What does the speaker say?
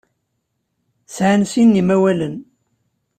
Sɛan sin n yimawalen.